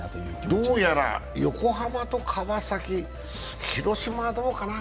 どうやら横浜と川崎、広島はどうかな？